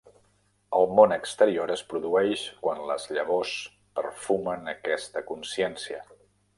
El món exterior es produeix quan les llavors "perfumen" aquesta consciència.